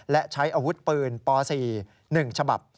และใช้อาวุธปืนป๔๑ฉบับ